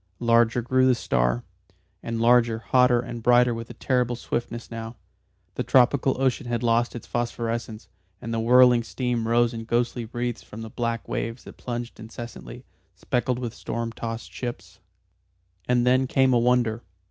Larger grew the star, and larger, hotter, and brighter with a terrible swiftness now. The tropical ocean had lost its phosphorescence, and the whirling steam rose in ghostly wreaths from the black waves that plunged incessantly, speckled with storm tossed ships. And then came a wonder.